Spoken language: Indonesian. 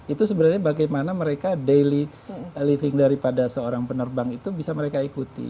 itu sebenarnya bagaimana mereka daily living daripada seorang penerbang itu bisa mereka ikuti